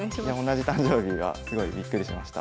同じ誕生日はすごいびっくりしました。